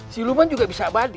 si lu kan juga bisa abadi